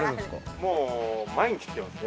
もう毎日来てますね。